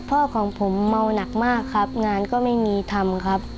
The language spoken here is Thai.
พ่อของผมเมาหนักมากครับงานก็ไม่มีทำครับ